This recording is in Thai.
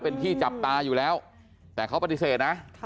เป็นที่จับตาอยู่แล้วแต่เขาปฏิเสธนะ